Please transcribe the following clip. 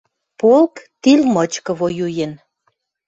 Полк тил мычкы воюен.